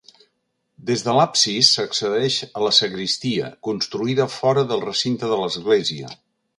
Des de l’absis s’accedeix a la sagristia, construïda fora del recinte de l’església.